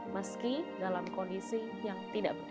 meski dalam kondisi yang tidak benar